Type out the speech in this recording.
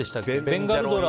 ベンガルトラ。